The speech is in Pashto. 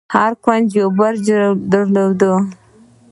هر کونج يو برج درلود.